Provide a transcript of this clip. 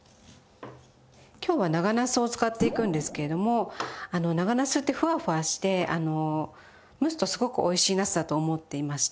今日は長なすを使っていくんですけれども長なすってふわふわして蒸すとすごくおいしいなすだと思っていまして。